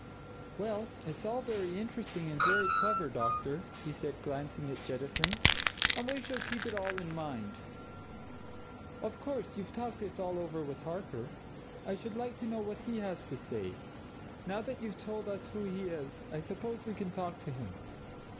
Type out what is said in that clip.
"Well it's all very interesting and very clever, doctor," he said, glancing at Jettison. "And we shall keep it all in mind. Of course, you've talked all this over with Harker? I should like to know what he has to say. Now that you've told us who he is, I suppose we can talk to him?"